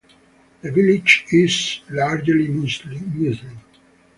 The village is largely Muslim.